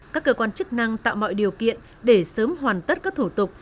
các cơ quan chức năng tạo mọi điều kiện để sớm hoàn tất các thủ tục